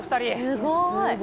すごーい。